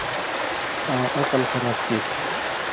آں عقل خراب کیریۡ تُھو۔